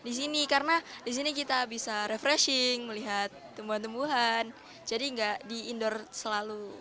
di sini karena di sini kita bisa refreshing melihat tumbuhan tumbuhan jadi nggak di indoor selalu